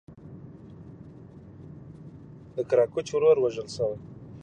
د ګراکچوس ورور ووژل شو.